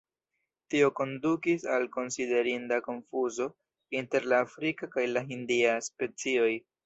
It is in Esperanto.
Tio kondukis al konsiderinda konfuzo inter la afrika kaj la hindia specioj.